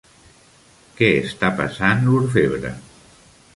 Què està pesant l'orfebre?